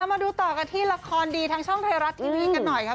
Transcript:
มาดูต่อกันที่ละครดีทางช่องไทยรัฐทีวีกันหน่อยค่ะ